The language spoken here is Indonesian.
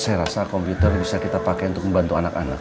saya rasa komputer bisa kita pakai untuk membantu anak anak